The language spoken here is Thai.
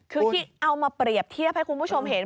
คือที่เอามาเปรียบเทียบให้คุณผู้ชมเห็น